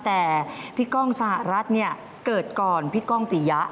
แต่พี่ก้องสหรัฐเนี่ยเกิดก่อนพี่ก้องปียะ